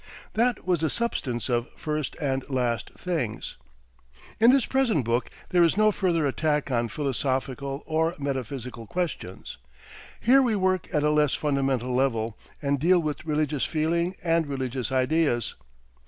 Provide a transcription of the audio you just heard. That was the substance of "First and Last Things." In this present book there is no further attack on philosophical or metaphysical questions. Here we work at a less fundamental level and deal with religious feeling and religious ideas.